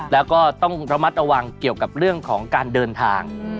แล้วก็ต้องระมัดระวังเกี่ยวกับเรื่องของการเดินทาง